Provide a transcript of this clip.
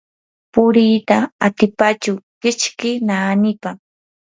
puriita atipachu kichki naanipa.